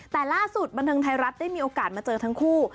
แต่ล่าสุดบันเทิงไทยรัฐได้มีโอกาสมาเจอทั้งคู่